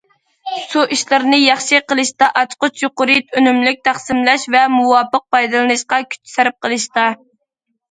سۇ ئىشلىرىنى ياخشى قىلىشتا، ئاچقۇچ يۇقىرى ئۈنۈملۈك تەقسىملەش ۋە مۇۋاپىق پايدىلىنىشقا كۈچ سەرپ قىلىشتا.